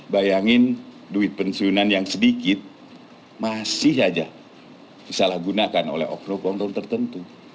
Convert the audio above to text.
bayangin duit pensiunan yang sedikit masih saja disalahgunakan oleh oknum oknum tertentu